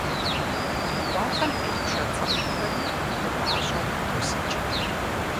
Уафэм телъ пшэ цӀырхъхэри мыпӀащӀэу тосыкӀ.